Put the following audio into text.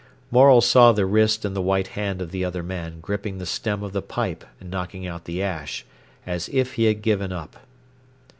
Morel saw the wrist and the white hand of the other man gripping the stem of the pipe and knocking out the ash, as if he had given up.